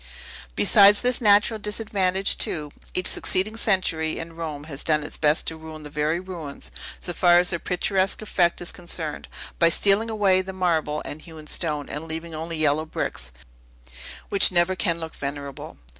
Besides this natural disadvantage, too, each succeeding century, in Rome, has done its best to ruin the very ruins, so far as their picturesque effect is concerned, by stealing away the marble and hewn stone, and leaving only yellow bricks, which never can look venerable.